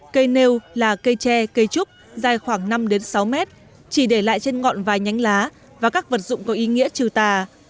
cây nêu là cây tre cây trúc dài khoảng năm sáu mét chỉ để lại trên ngọn vài nhánh lá và các vật dụng có ý nghĩa trừ tà